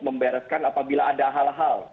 membereskan apabila ada hal hal